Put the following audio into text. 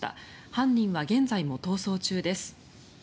犯人は現在も逃走中です。